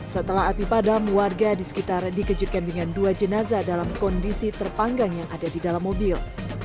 setelah api padam warga di sekitar dikejutkan dengan dua jenazah dalam kondisi terpanggang yang ada di dalam mobil